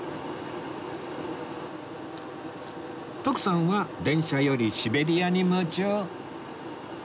徳さんは電車よりシベリアに夢中